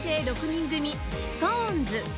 ６人組 ＳｉｘＴＯＮＥＳ